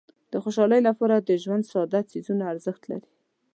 د خوشحالۍ لپاره د ژوند ساده څیزونه ارزښت لري.